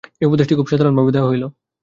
এই উপদেশটি খুব সাধারণভাবে দেওয়া হইল।